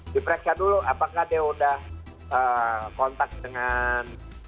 dipreska dulu apakah dia udah kontak dengan penyelenggara